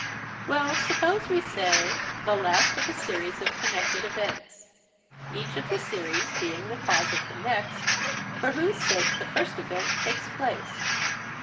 "Well, suppose we say the last of a series of connected events each of the series being the cause of the next for whose sake the first event takes place."